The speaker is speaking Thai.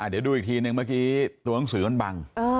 เดี๋ยวดูอีกทีเมื่อกี้ตรวงศือล้อนบัง